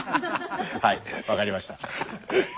はい分かりました。